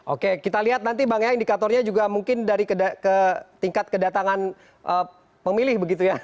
oke kita lihat nanti bang ya indikatornya juga mungkin dari tingkat kedatangan pemilih begitu ya